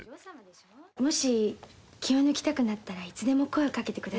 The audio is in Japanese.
「もし気を抜きたくなったらいつでも声を掛けてくださいね」